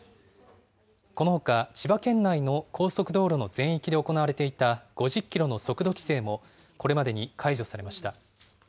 このほか千葉県内の高速道路の全域で行われていた５０キロの速度規制も、これまでに解除されました。